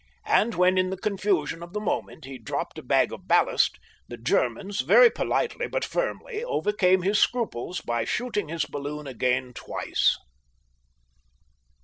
And when in the confusion of the moment he dropped a bag of ballast, the Germans, very politely but firmly overcame his scruples by shooting his balloon again twice.